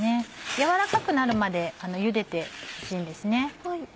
軟らかくなるまで茹でてほしいんですね。